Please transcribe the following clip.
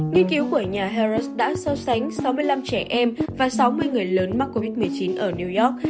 nghiên cứu của nhà harros đã so sánh sáu mươi năm trẻ em và sáu mươi người lớn mắc covid một mươi chín ở new york